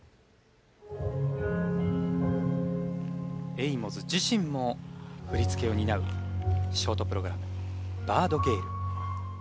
エイモズ自身も振り付けを担うショートプログラム『ＢｉｒｄＧｅｒｈｌ』。